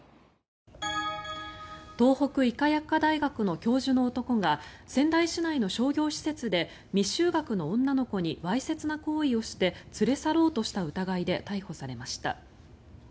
東北医科薬科大学の教授の男が仙台市内の商業施設で未就学の女の子にわいせつな行為をして連れ去ろうとした疑いで逮捕されました。